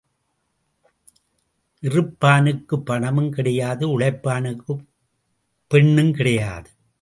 இறுப்பானுக்குப் பணமும் கிடையாது உழைப்பானுக்குப் பெண்ணும் கிடையாது.